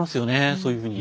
そういうふうに。